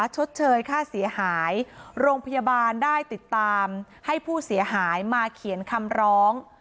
ชดเชยค่าเสียหายโรงพยาบาลได้ติดตามให้ผู้เสียหายมาเขียนคำร้อง